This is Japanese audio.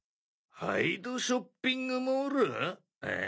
杯戸ショッピングモール？